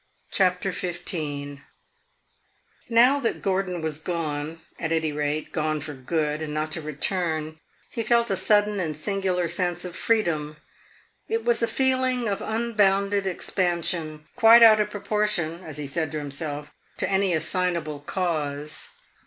CHAPTER XV Now that Gordon was gone, at any rate, gone for good, and not to return, he felt a sudden and singular sense of freedom. It was a feeling of unbounded expansion, quite out of proportion, as he said to himself, to any assignable cause.